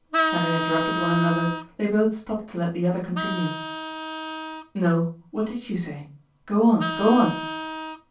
Having interrupted one another they both stopped to let the other continue. "No. What did you say? Go on, go on."